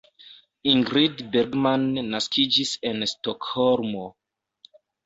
Ingrid Bergman naskiĝis en Stokholmo.